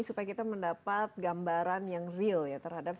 supaya kita mendapat gambaran yang real ya terhadap sebagaimana sih itu berhasil